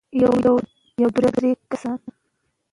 د اوبو عادلانه وېش سره، شخړې نه پارېږي.